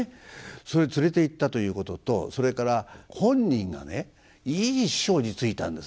それ連れていったということとそれから本人がねいい師匠についたんですね。